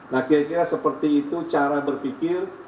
nah kira kira seperti itu cara berpikir